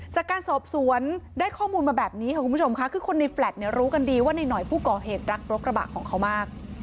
จากการสอบสวนได้ข้อมูลมาแบบนี้ค่ะคุณผู้ชมค่ะคือคนในแลตเนี่ยรู้กันดีว่าในหน่อยผู้ก่อเหตุรักรถกระบะของเขามาก